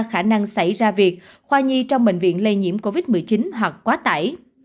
khả năng xảy ra việc khoa nhi trong bệnh viện lây nhiễm covid một mươi chín hoặc quá tải